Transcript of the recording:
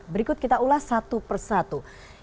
berikut kita ulas satu per satu